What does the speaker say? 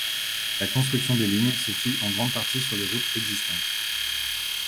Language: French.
La construction des lignes se fit en grande partie sur les routes existantes.